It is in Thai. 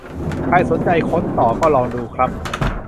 ใครสนใจค้นต่อก็ลองดูครับ